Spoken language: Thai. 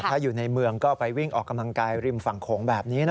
ถ้าอยู่ในเมืองก็ไปวิ่งออกกำลังกายริมฝั่งโขงแบบนี้